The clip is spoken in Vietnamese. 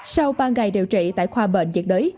sau ba ngày điều trị tại khoa bệnh nhiệt đới